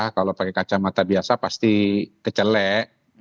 kalau pakai kacamata biasa pasti kecelek